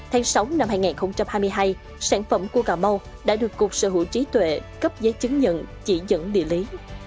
tháng sáu năm hai nghìn hai mươi hai sản phẩm cua cà mau đã được cục sở hữu trí tuệ cấp giấy chứng nhận chỉ dẫn địa lý